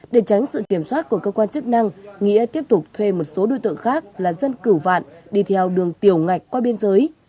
để tránh sự kiểm soát của cơ quan chức năng nghĩa tiếp tục thuê một số đối tượng khác là dân cửu vạn đi theo đường tiểu ngạch qua biên giới